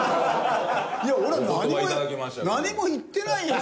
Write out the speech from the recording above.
いや俺は何も何も言ってないよ